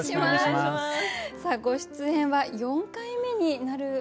さあご出演は４回目になるでしょうか。